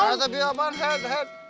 karena tadi abang head head